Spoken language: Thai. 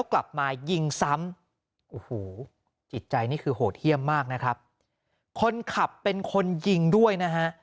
คนขับเป็นคนยิงด้วยนะฮะ